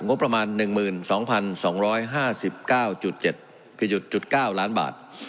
งบประมาณ๑๒๒๕๙๙ล้านบาท